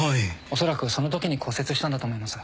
おそらくそのときに骨折したんだと思います。